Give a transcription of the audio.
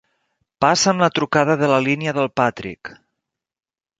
Passa'm la trucada de la línia del Patrick!